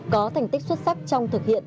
có thành tích xuất sắc trong thực hiện